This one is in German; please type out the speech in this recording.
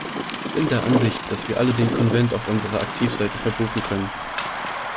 Ich bin der Ansicht, dass wir alle den Konvent auf unserer Aktivseite verbuchen können.